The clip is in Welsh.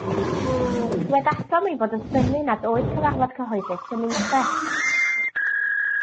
Dywedasom ein bod yn synnu nad oedd cyfarfod cyhoeddus yn unlle.